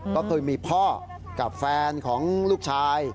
ก็เคยมีพ่อกับแฟนของลูกชาย